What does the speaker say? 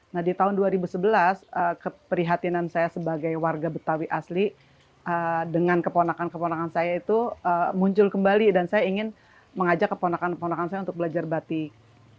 nah di tahun dua ribu sebelas keprihatinan saya sebagai warga betawi asli dengan keponakan keponakan saya itu muncul kembali dan saya ingin mengajak keponakan keponakan saya untuk belajar batik